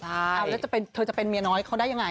แล้วเธอจะเป็นเมียน้อยเขาได้ยังไง